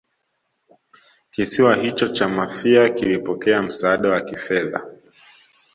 kisiwa hicho cha Mafia kilipokea msaada wa kifedha